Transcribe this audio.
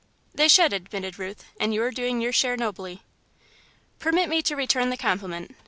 "They should," admitted Ruth; "and you are doing your share nobly." "Permit me to return the compliment.